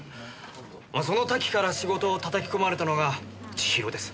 まあその瀧から仕事をたたき込まれたのが千尋です。